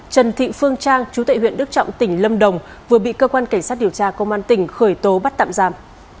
trần thị phương trang chú tệ huyện đức trọng tỉnh lâm đồng vừa bị cơ quan cảnh sát điều tra công an tỉnh khởi tố bắt tạm giam